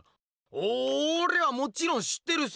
オレはもちろん知ってるさ！